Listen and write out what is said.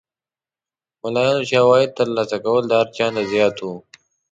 ملایانو چې عواید تر لاسه کول د هر چا نه زیات وو.